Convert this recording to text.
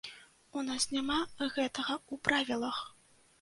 У нас няма гэтага ў правілах.